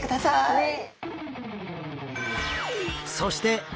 はい。